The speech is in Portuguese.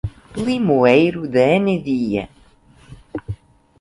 Limoeiro de Anadia